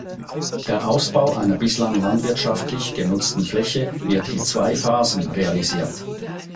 Der Ausbau einer bislang landwirtschaftlich genutzten Fläche wird in zwei Phasen realisiert.